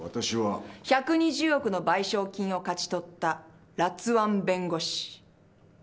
１２０億の賠償金を勝ち取ったらつ腕弁護士。